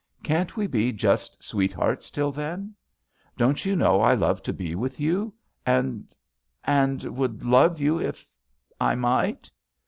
Can't we be just sweethearts till then ? Don't you know I love to be with you — and — and would love you — if I might?